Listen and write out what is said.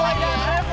oh bener ya